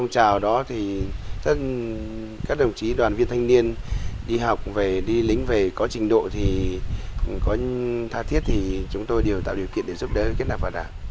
có thà thiết thì chúng tôi đều tạo điều kiện để giúp đỡ kết nạc và đảng